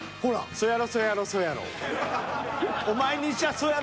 「そうやろそうやろそうやろ」？